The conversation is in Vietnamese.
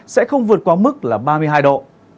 sẽ không vượt qua mức là ba mươi hai độ